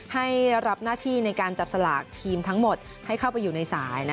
ให้รับหน้าที่ในการจับสลากทีมทั้งหมดให้เข้าไปอยู่ในสาย